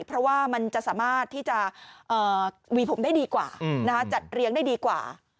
เพราะว่ามันจะสามารถที่จะวีผมได้ดีกว่าจัดเลี้ยงได้ดีกว่า